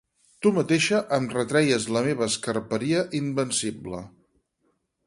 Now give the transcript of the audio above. Tu mateixa em retreies la meva esquerperia invencible.